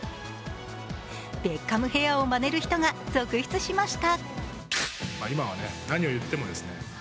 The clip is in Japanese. ベッカムヘアをまねる人が続出しました。